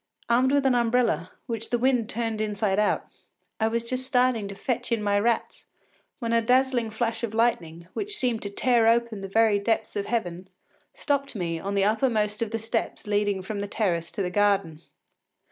Armed with an umbrella, which the wind turned inside out, I was just starting to fetch in my rats, when a dazzling flash of lightning, which seemed to tear open the very depths of heaven, stopped me on the uppermost of the steps leading from the terrace to the garden.